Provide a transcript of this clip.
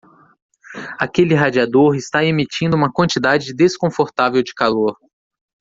Aquele radiador está emitindo uma quantidade desconfortável de calor.